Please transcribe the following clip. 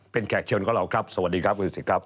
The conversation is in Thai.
เป็นแขกเชิญของเราครับสวัสดีครับคุณดูสิครับ